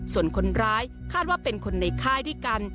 ส่วนคนร้ายคาดว่าเป็นคนในค่ายด้วยกัน